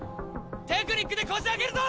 テクニックでこじあけるぞ！